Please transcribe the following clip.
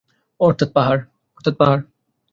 অর্থাৎ পাহাড়।